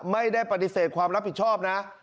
ไม่ได้ปฏิเสธความรับผิดชอบนะ